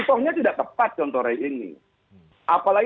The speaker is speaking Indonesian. tapi tidak lebih dari rentang itu